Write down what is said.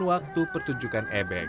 waktu pertunjukan ebek